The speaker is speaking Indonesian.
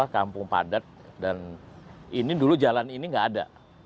kampung padat dan ini dulu jalan ini nggak ada